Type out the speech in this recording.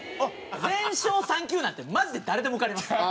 全商３級なんてマジで誰でも受かります。